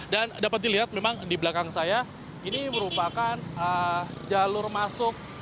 dan dapat dilihat memang di belakang saya ini merupakan jalur masuk